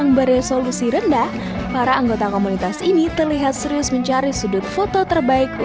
gresik jawa timur